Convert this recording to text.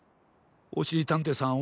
おしりたんていさん